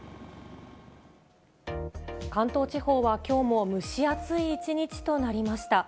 関東地方はきょうも蒸し暑い一日となりました。